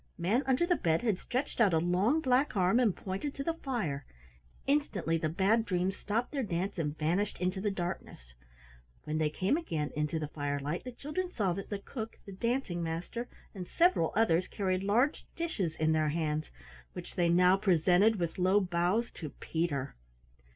Manunderthebed had stretched out a long black arm and pointed to the fire. Instantly the Bad Dreams stopped their dance and vanished into the darkness. When they came again into the firelight the children saw that the Cook, the Dancing master, and several others carried large dishes in their hands which they now presented with low bows to Peter.